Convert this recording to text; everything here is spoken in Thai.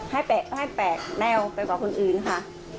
ให้แปะแนวไปกว่าคนอื่นค่ะ